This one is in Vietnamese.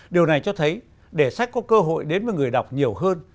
điều này cho thấy để sách có cơ hội đến với người đọc nhiều hơn